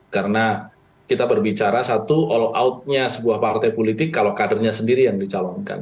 karena kita berbicara satu all out nya sebuah partai politik kalau kadernya sendiri yang dicalonkan